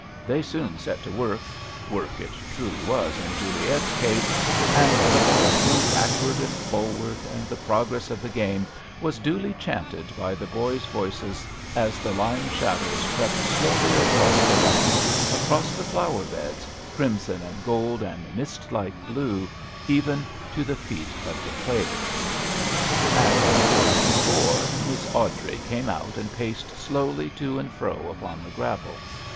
They soon set to work lS4 M1S$ AWDREV At HOME. — work it truly was in Juliet's case — and the ball flew back wards and forwards, and the progress of the game was duly chanted by the boys' voices as the lime shadows crept slowly across the lawn, across the flower beds, crimson and gold and mist like blue, even to the feet of the players. At a quarter to four Miss Awdrey came out and paced slowly to and fro upon the gravel.